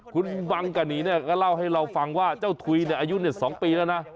คุณบังกะหนีเนี่ยก็เล่าให้เราฟังว่าเจ้าถุยอายุ๒ปีแล้วนะ